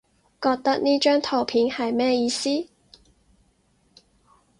覺得呢張圖片係咩意思？